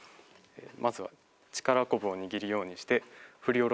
まずは力こぶを握るようにして振り下ろします。